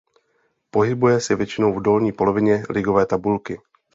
Pohybuje se většinou v dolní polovině ligové tabulky.